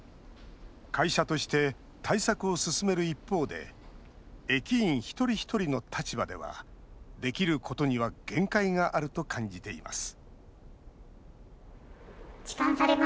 会社として、対策を進める一方で駅員一人一人の立場ではできることには限界があると感じています